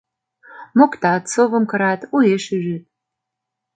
Моктат, совым кырат, уэш ӱжыт.